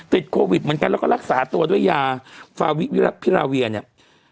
ติดโควิดเหมือนกันแล้วก็รักษาตัวด้วยยาฟาวิรัติพิราเวียเนี่ย